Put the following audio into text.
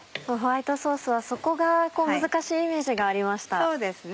ホワイトソースはそこが難しいイメージがありました。